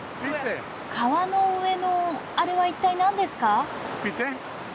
川の上のあれは一体何ですか？